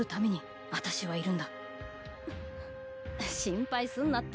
心配すんなって。